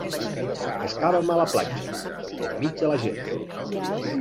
Pescàvem a la platja, enmig de la gent.